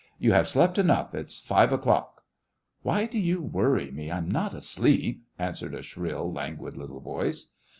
*' You have slept enough ; it's five o'clock." " Why do you worry me ? I am not asleep," answered a shrill, languid little voice.